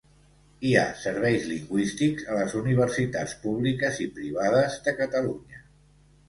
Hi ha serveis lingüístics a les universitats públiques i privades de Catalunya.